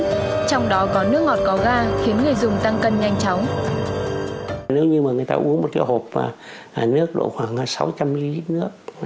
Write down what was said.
trong đó có nước ngọt có ga khiến người dùng tăng cân nhanh chóng